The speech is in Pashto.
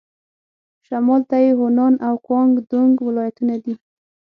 شمال ته یې هونان او ګوانګ دونګ ولايتونه دي.